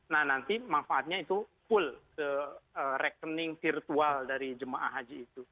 nah nanti manfaatnya itu full ke rekening virtual dari jemaah haji itu